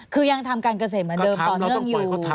คือยังทำการเกษตรเหมือนเดิมต่อเนื่องอยู่